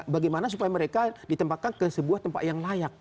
bagaimana supaya mereka ditempatkan ke sebuah tempat yang layak